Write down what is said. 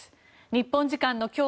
日本時間の今日